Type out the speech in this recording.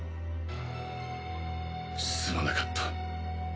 すまなかった。